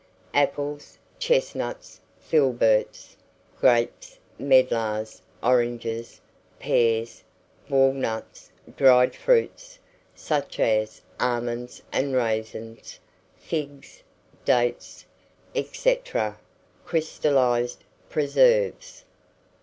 Apples, chestnuts, filberts, grapes, medlars, oranges, pears, walnuts, dried fruits, such as almonds and raisins, figs, dates, &c., crystallized preserves.